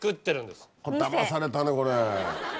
だまされたねこれ。